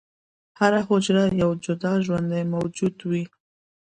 هره حجره یو جدا ژوندی موجود وي.